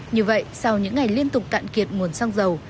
như vậy sau những ngày liên tục cạn kiệt nguồn xăng dầu